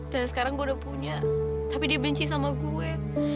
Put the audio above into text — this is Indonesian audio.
dan sekarang gue udah punya tapi dia benci sama gue